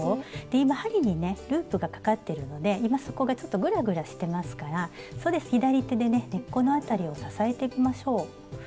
で今針にねループがかかってるので今そこがちょっとグラグラしてますからそうです左手でね根っこの辺りを支えてみましょう。